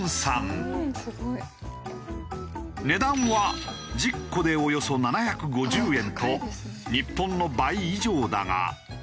すごい！値段は１０個でおよそ７５０円と日本の倍以上だが。